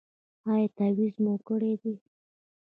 ایا تعویذ مو کړی دی؟